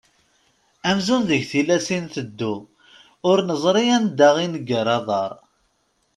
Amzun deg tillas i nteddu, ur neẓri anda i neggar aḍar.